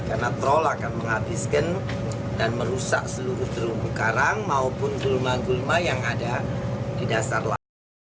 karena troll akan menghabiskan dan merusak seluruh terumbu karang maupun gulma gulma yang ada di dasar laut